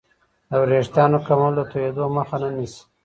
د وریښتانو کمول د توېدو مخه نه نیسي.